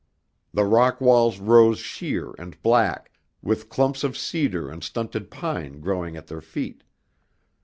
The rock walls rose sheer and black, with clumps of cedar and stunted pine growing at their feet.